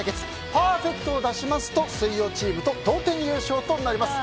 パーフェクトを出しますと水曜チームと同点優勝となります。